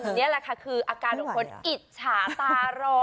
นี่แหละค่ะคืออาการของคนอิจฉาตารอ